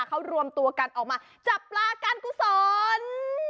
เขารวมตัวกันออกมาจับปลาการกุศล